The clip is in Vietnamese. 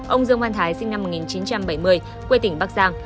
ông dương văn thái sinh năm một nghìn chín trăm bảy mươi quê tỉnh bắc giang